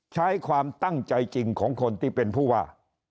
ใช้ความตั้งใจจริงของคนที่เป็นผู้ว่า